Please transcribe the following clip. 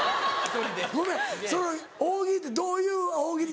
ごめんその大喜利ってどういう大喜利？